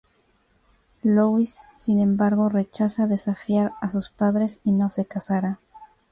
Louise, sin embargo, rechaza desafiar a sus padres y no se casará.